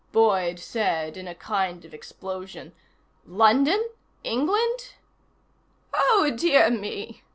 Boyd said, in a kind of explosion: "London? England?" "Oh, dear me...."